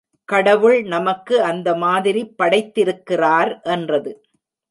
கடவுள் நமக்கு அந்த மாதிரி படைத்திருக்கிறார் என்றது.